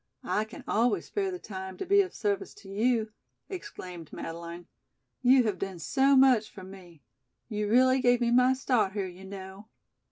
"I can always spare the time to be of service to you," exclaimed Madeleine. "You have done so much for me. You really gave me my start here, you know."